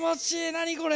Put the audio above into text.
何これ！